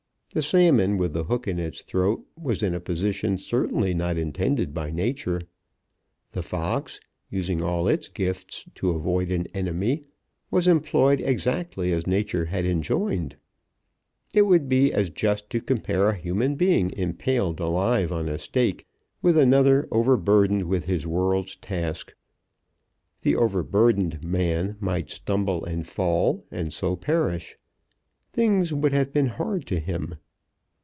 The salmon with the hook in its throat was in a position certainly not intended by Nature. The fox, using all its gifts to avoid an enemy, was employed exactly as Nature had enjoined. It would be as just to compare a human being impaled alive on a stake with another overburdened with his world's task. The overburdened man might stumble and fall, and so perish. Things would have been hard to him.